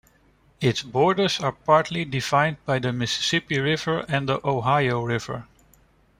Its borders are partly defined by the Mississippi River and the Ohio River.